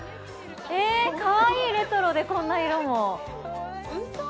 えっ、かわいい、レトロで、こんな色も。